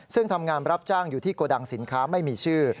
ซึ่งทำงานรับจ้างอยู่ที่โกดังสินค้าไม่มีชื่อ